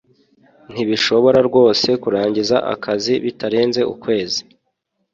ntibishoboka rwose kurangiza akazi bitarenze ukwezi